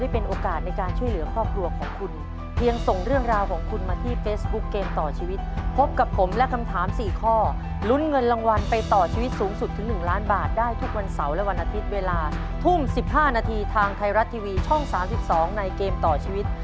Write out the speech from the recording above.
ได้เงินรางวัลไปต่อชีวิตสูงสุดถึง๑ล้านบาทได้ทุกวันเสาร์และวันอาทิตย์เวลาทุ่ม๑๕นาทีทางไทยรัฐทีวีช่อง๓๒ในเกมต่อชีวิต